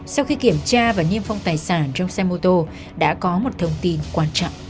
sau khi kiểm tra và niêm phong tài sản trong xe mô tô đã có một thông tin quan trọng